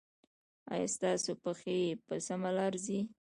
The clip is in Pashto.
ایا ستاسو پښې په سمه لار ځي؟